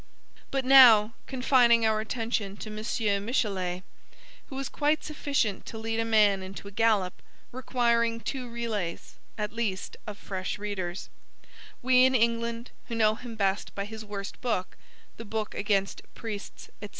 But now, confining our attention to M. Michelet who is quite sufficient to lead a man into a gallop, requiring two relays, at least, of fresh readers, we in England who know him best by his worst book, the book against Priests, &c.